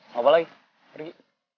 mau apa lagi pergi